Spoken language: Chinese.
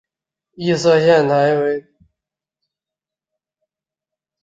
异色线柱苣苔为苦苣苔科线柱苣苔属下的一个种。